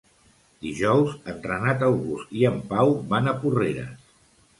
Dijous en Renat August i en Pau van a Porreres.